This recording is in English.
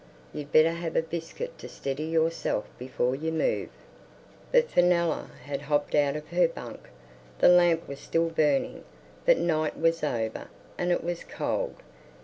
You'd better have a biscuit to steady yourself before you move." But Fenella had hopped out of her bunk. The lamp was still burning, but night was over, and it was cold.